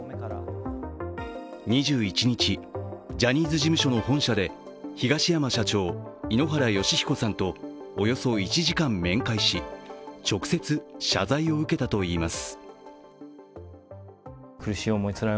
２１日、ジャニーズ事務所の本社で東山社長、井ノ原快彦さんとおよそ１時間面会し、直接謝罪を受けたといいます。